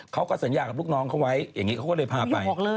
เขาก็สัญญากับลูกน้องเขาไว้อย่างนี้เขาก็เลยพาไป